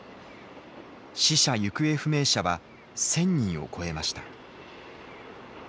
死者・行方不明者は１，０００人を超えました。